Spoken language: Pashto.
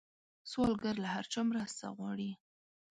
سوالګر له هر چا مرسته غواړي